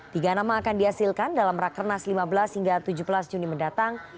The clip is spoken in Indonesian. tiga nama akan dihasilkan dalam rakernas lima belas hingga tujuh belas juni mendatang